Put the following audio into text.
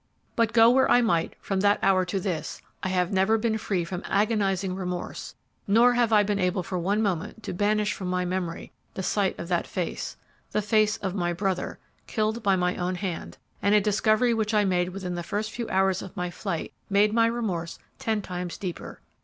"But go where I might, from that hour to this, I have never been free from agonizing remorse, nor have I been able for one moment to banish from my memory the sight of that face, the face of my brother, killed by my own hand, and a discovery which I made within the first few hours of my flight made my remorse ten times deeper.